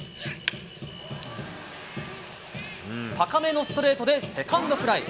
高めのストレートでセカンドフライ。